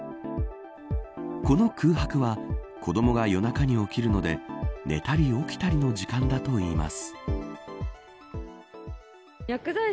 この空白は子どもが夜中に起きるので寝たり起きたりの時間だといいます。